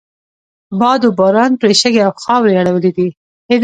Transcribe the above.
باد و باران پرې شګې او خاورې اړولی دي.